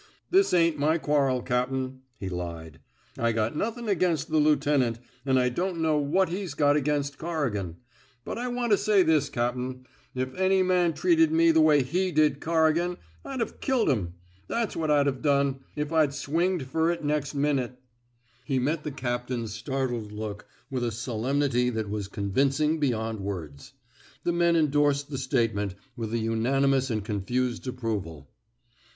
*' This ain't my quarrel, cap'n," he lied. I got nothin' against the lieut'nt, an' I don't know what he's got against Corrigan. But I want to say this, cap'n, if any man treated me the way he did Corrigan, I'd 've killed him — that's what I'd 've done — if I'd swinged fer it nex' minute." He met the captain's startled look with a solemnity that was con vincing beyond words. The men endorsed the statement with an unanimous and confused approval.